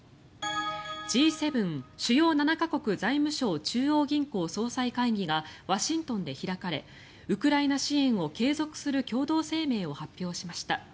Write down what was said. Ｇ７＝主要７か国財務相・中央銀行総裁会議がワシントンで開かれウクライナ支援を継続する共同声明を発表しました。